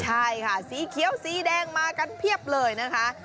ใช่ค่ะสีเขียวสีแดงมากันเพียบเลยนะคะ